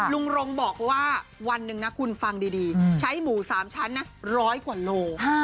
รงบอกว่าวันหนึ่งนะคุณฟังดีใช้หมู๓ชั้นนะร้อยกว่าโล